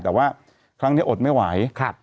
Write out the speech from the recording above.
แต่ว่าครั้งนี้อดไม่ไหว